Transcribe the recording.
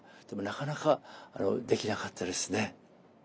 でもなかなかできなかったですね。